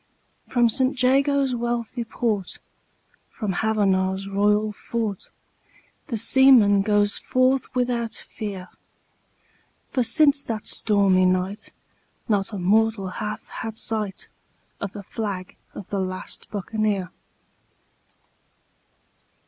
From St Jago's wealthy port, from Havannah's royal fort, The seaman goes forth without fear; For since that stormy night not a mortal hath had sight Of the flag of the last Buccaneer.